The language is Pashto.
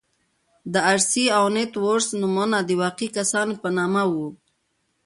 دارسي او ونت وُرث نومونه د واقعي کسانو په نامه وو.